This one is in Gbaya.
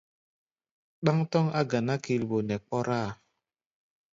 Ɗáŋ tɔ́ŋ á ganá kilbo nɛ kpɔ́rá-a.